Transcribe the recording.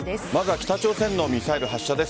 北朝鮮のミサイル発射です。